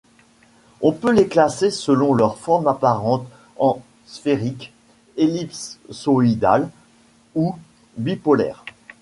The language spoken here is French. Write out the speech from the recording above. On peut les classer selon leur forme apparente en sphériques, ellipsoïdales ou bipolaires.